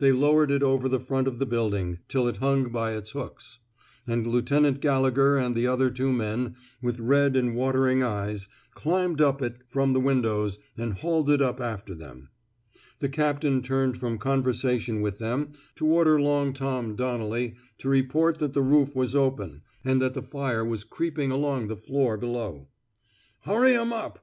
They lowered it over the front of the building till it hung by its hooks ; and Lieutenant Gallegher and the other two men, with red and watering eyes, climbed up it from the windows and hauled it up after them. The captain turned from conversation with them to order Long Tom *^ Donnelly to report that the roof was open and that the 160 COREIGAN'S PROMOTION fire was creeping along the floor below. Hurry 'em up!